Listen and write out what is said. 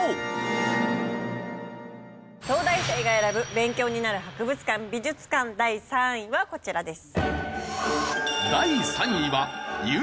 勉強になる博物館・美術館第３位はこちらです。